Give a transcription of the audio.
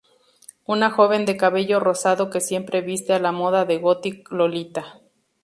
Una joven de cabello rosado que siempre viste a la moda de gothic lolita.